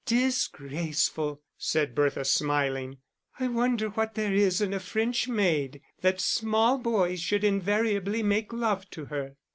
"Disgraceful!" said Bertha, smiling. "I wonder what there is in a French maid that small boys should invariably make love to her."